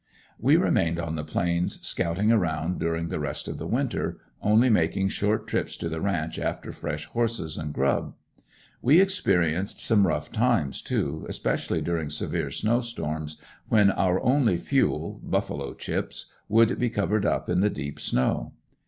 We remained on the Plains scouting around during the rest of the winter, only making short trips to the ranch after fresh horses and grub. We experienced some tough times too, especially during severe snow storms when our only fuel, "buffalo chips," would be covered up in the deep snow.